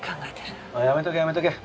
やめとけやめとけ。